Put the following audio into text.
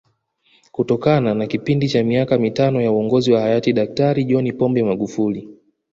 Kutokana na kipindi cha miaka mitano ya Uongozi wa Hayati Daktari John Pombe Magufuli